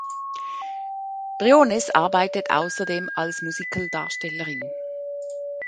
Briones arbeitet außerdem als Musicaldarstellerin.